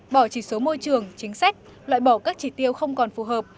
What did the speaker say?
bỏ chỉ số môi trường chính sách loại bỏ các chỉ tiêu không còn phù hợp